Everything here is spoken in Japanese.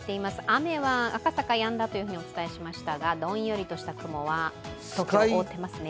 雨は赤坂、やんだとお伝えしましたがどんよりとした雲が空を覆ってますね。